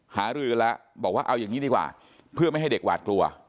หารือแล้วบอกว่าเอาอย่างนี้ดีกว่าเพื่อไม่ให้เด็กหวาดกลัว